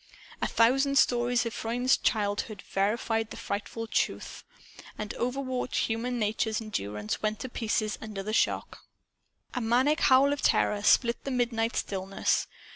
A thousand stories of Freund's childhood verified the frightful truth. And overwrought human nature's endurance went to pieces under the shock. A maniac howl of terror split the midnight stillness.